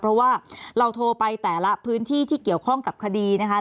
เพราะว่าเราโทรไปแต่ละพื้นที่ที่เกี่ยวข้องกับคดีนะคะ